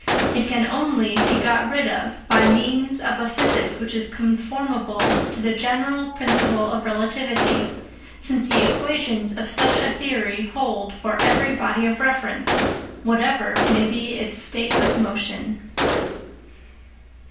It can only be got rid of by means of a physics which is conformable to the general principle of relativity, since the equations of such a theory hold for every body of reference, whatever may be its state of motion.